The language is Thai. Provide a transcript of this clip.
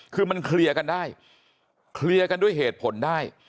คือมันเคลียร์กันได้เคลียร์กันด้วยเหตุผลได้